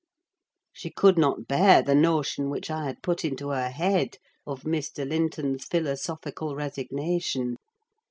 She could not bear the notion which I had put into her head of Mr. Linton's philosophical resignation.